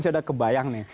saya udah kebayang nih